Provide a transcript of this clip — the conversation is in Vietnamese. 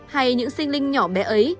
hay những sinh linh nhỏ bé ấy